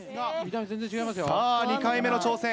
さぁ２回目の挑戦！